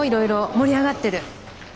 盛り上がってる。